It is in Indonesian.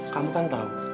kamu kan tahu